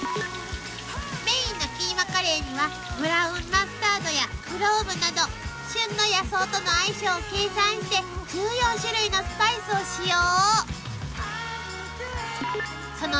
［メインのキーマカレーにはブラウンマスタードやクローブなど旬の野草との相性を計算して１４種類のスパイスを使用］